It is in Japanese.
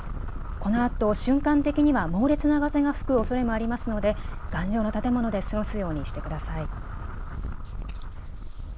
このあと瞬間的には猛烈な風が吹くおそれもありますので頑丈な建物で過ごすようにしてください。